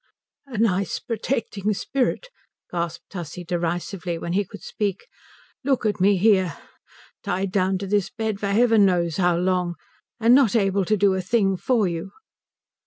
"A nice protecting spirit," gasped Tussie derisively, when he could speak. "Look at me here, tied down to this bed for heaven knows how long, and not able to do a thing for you."